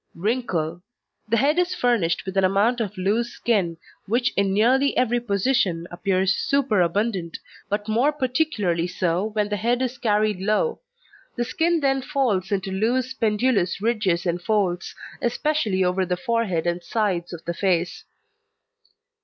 WRINKLE The head is furnished with an amount of loose skin which in nearly every position appears super abundant, but more particularly so when the head is carried low; the skin then falls into loose, pendulous ridges and folds, especially over the forehead and sides of the face.